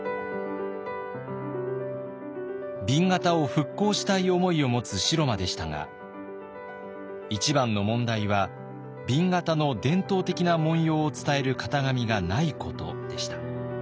紅型を復興したい思いを持つ城間でしたが一番の問題は紅型の伝統的な紋様を伝える型紙がないことでした。